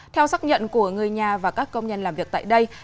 theo xác nhận của người nhà và các công nhân làm việc tại đây